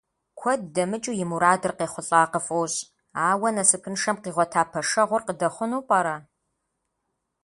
Куэд дэмыкӀу и мурадыр къехъулӀа къыфӀощӀ, ауэ насыпыншэм къигъуэта пэшэгъур къыдэхъуну пӀэрэ?